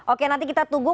oke nanti kita tunggu